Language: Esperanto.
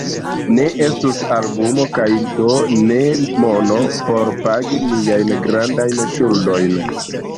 Ne estus albumo kaj do ne mono por pagi niajn grandajn ŝuldojn.